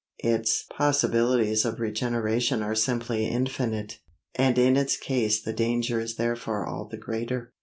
Its possibilities of regeneration are simply infinite; and in its case the danger is therefore all the greater.